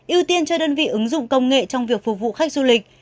ưu tiên cho đơn vị ứng dụng công nghệ trong việc phục vụ khách du lịch